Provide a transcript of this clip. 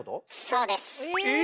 そうです。え！